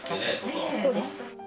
こうです。